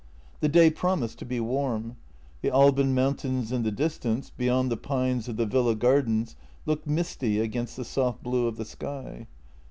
The day promised to be warm. The Alban mountains in the distance, beyond the pines of the villa gardens, looked misty against the soft blue of the sky.